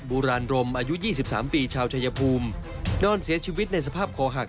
บูรรณรมอายุยี่สิบสามปีชาวชายภูมินอนเสียชีวิตในสภาพคอหัก